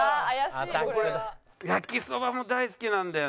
焼きそばも大好きなんだよね。